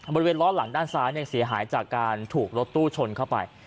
บริเวณล้อหลังด้านซ้ายเสียหายจากการถูกรถตู้ชนเข้าไป